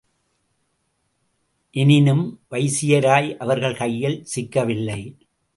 எனினும் வைசிராய் அவர்கள் கையில் சிக்கவில்லை.